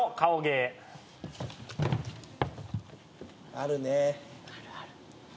あるね。